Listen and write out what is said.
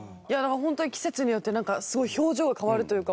ホントに季節によってなんかすごい表情が変わるというか。